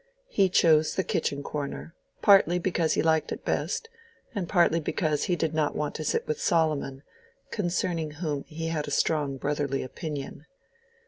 He chose the kitchen corner, partly because he liked it best, and partly because he did not want to sit with Solomon, concerning whom he had a strong brotherly opinion.